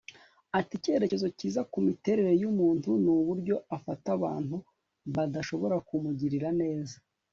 ati icyerekezo cyiza ku miterere y'umuntu ni uburyo afata abantu badashobora kumugirira neza